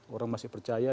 orang masih percaya